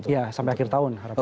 ya sampai akhir tahun harapannya